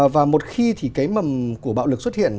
và một khi thì cái mầm của bạo lực xuất hiện